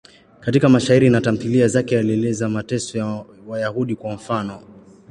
Katika mashairi na tamthiliya zake alieleza mateso ya Wayahudi, kwa mfano.